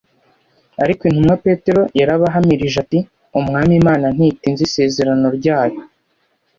ariko intumwa Petero yarabahamirije ati : «Umwami Imana ntitinza isezerano ryayo